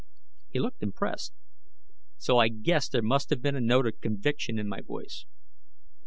He looked impressed, so I guess there must have been a note of conviction in my voice.